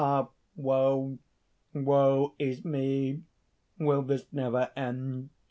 Ah! woe, woe is me! will this never end?